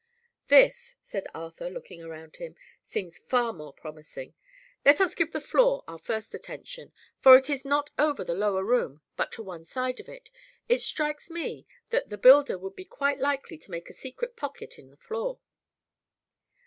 "This," said Arthur, looking around him, "seems far more promising. Let us give the floor our first attention, for it is not over the lower room but to one side of it. It strikes me that the builder would be quite likely to make a secret pocket in the floor."